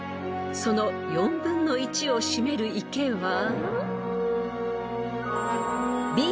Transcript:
［その４分の１を占める池は］